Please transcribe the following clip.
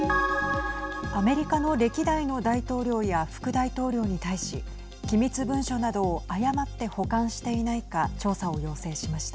アメリカの歴代の大統領や副大統領に対し機密文書などを誤って保管していないか調査を要請しました。